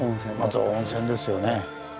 まずは温泉ですよね。